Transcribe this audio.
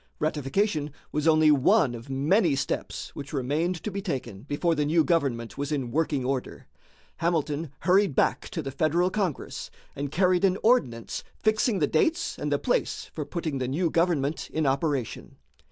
Ratification was only one of many steps which remained to be taken before the new government was in working order. Hamilton hurried back to the Federal Congress, and carried an ordinance fixing the dates and the place for putting the new government in operation.